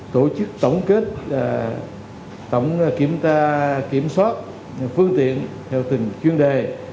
tổ chức tổng kết tổng kiểm soát phương tiện theo từng chuyên đề